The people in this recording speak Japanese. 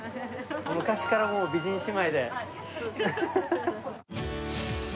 昔からもう美人姉妹で。